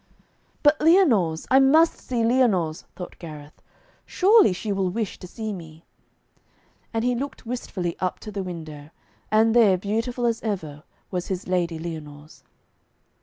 'But Lyonors, I must see Lyonors,' thought Gareth. 'Surely she will wish to see me,' and he looked wistfully up to the window, and there beautiful as ever, was his Lady Lyonors.